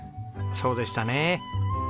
そうでしたね。